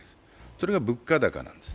それが物価高なんです。